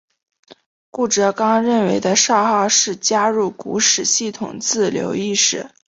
顾颉刚认为的少昊氏加入古史系统自刘歆始。